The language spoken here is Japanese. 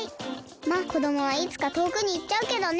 まっこどもはいつかとおくにいっちゃうけどね。